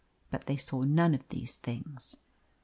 But they saw none of these things.